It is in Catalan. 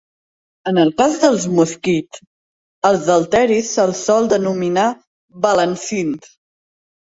En el cas dels mosquits, als halteris se'ls sol denominar balancins.